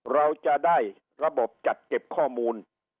เราจะได้ระบบจัดเก็บข้อมูล